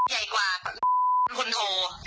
ใหญ่กว่าคนโท